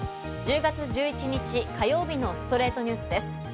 １０月１１日、火曜日の『ストレイトニュース』です。